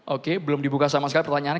oke belum dibuka sama sekali pertanyaannya